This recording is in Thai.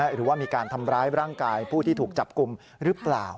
หรือว่ามีการทำร้ายร่างกายผู้ที่ถูกจับกลุ่มหรือเปล่า